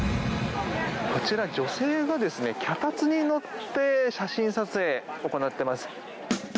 あちら女性が脚立に乗って写真撮影、行ってます。